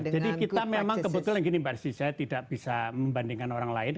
jadi kita memang kebetulan gini mbak rizie saya tidak bisa membandingkan orang lain